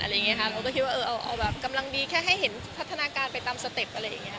เราก็คิดว่าเอาแบบกำลังดีแค่ให้เห็นพัฒนาการไปตามสเต็ปอะไรอย่างนี้